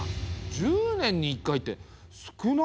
１０年に１回って少ないよね。